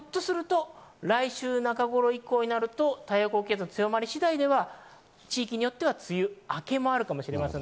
ひょっとすると来週中頃以降になると太平洋高気圧が強まり次第では地域によっては梅雨明けもあるかもしれません。